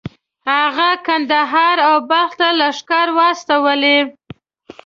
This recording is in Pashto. هغه کندهار او بلخ ته لښکرې واستولې.